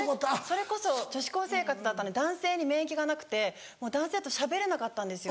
それこそ女子校生活だったので男性に免疫がなくて男性としゃべれなかったんですよ。